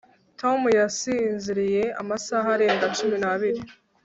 tom yasinziriye amasaha arenga cumi n'abiri